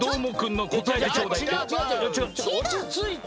おちついて！